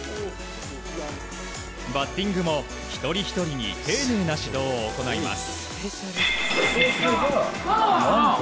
バッティングも一人ひとりに丁寧な指導を行います。